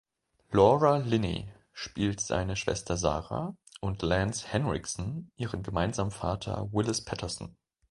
Laura Linney spielt seine Schwester Sarah und Lance Henriksen ihren gemeinsamen Vater Willis Peterson.